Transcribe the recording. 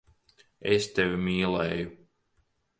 Es tevi mīlēju.